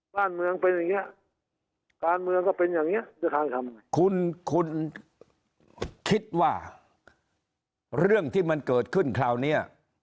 บ้านเมืองเป็นอย่างนี้การเมืองก็เป็นอย่างนี้คุณคุณคิดว่าเรื่องที่มันเกิดขึ้นคราวนี้